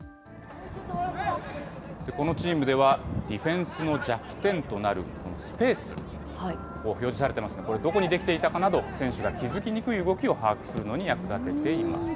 このチームでは、ディフェンスの弱点となるスペース、これ、表示されていますけれども、これ、どこに出来ていたかなど、選手が気付きにくい動きを把握するのに役立てています。